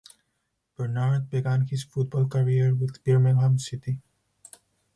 Bernard began his football career with Birmingham City.